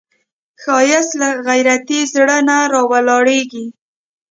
ښایست له غیرتي زړه نه راولاړیږي